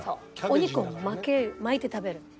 お肉を巻いて食べるの。